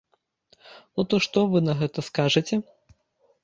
Ну то што вы на гэта скажаце?